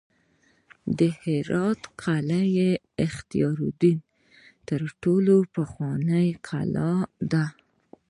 د هرات قلعه اختیارالدین تر ټولو پخوانۍ کلا ده